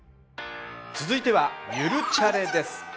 続いては「ゆるチャレ」です。